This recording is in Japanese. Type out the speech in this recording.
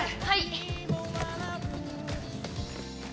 はい！